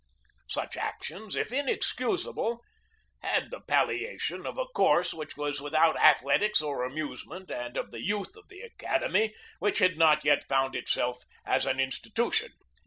Such actions, if inexcusable, had the palliation of a course which was without athletics or amusement and of the youth of the academy, which had not yet found itself as an institution.